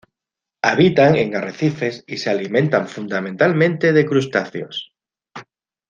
Habitan en arrecifes, y se alimentan fundamentalmente de crustáceos.